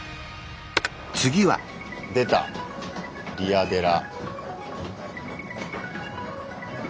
出た「リアデラ」。